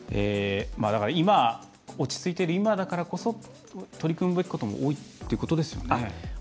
落ち着いている今だからこそ取り組むべきことも多いっていうことですよね。